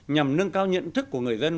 nhằm nâng cao nhận thức của người dân